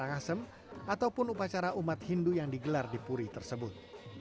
pernikahan keluarga raja puri karangasem ataupun upacara umat hindu yang digelar di puri tersebut